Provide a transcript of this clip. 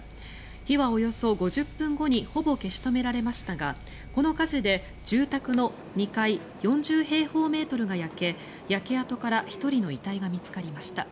火はおよそ５０分後にほぼ消し止められましたがこの火事で住宅の２階４０平方メートルが焼け焼け跡から１人の遺体が見つかりました。